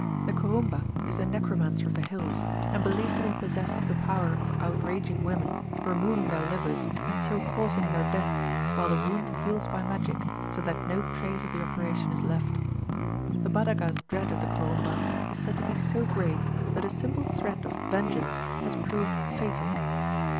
The Kurumba is the necromancer of the hills, and believed to be possessed of the power of outraging women, removing their livers, and so causing their death, while the wound heals by magic, so that no trace of the operation is left. The Badaga's dread of the Kurumba is said to be so great, that a simple threat of vengeance has proved fatal.